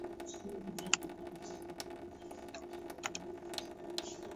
taarifa zilizo zidisha hofu kwa nchi hiyo